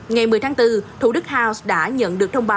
ngày một mươi tháng bốn thủ đức house đã nhận được thông báo